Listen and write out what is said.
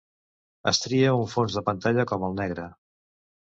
Es tria un fons de pantalla com el negre.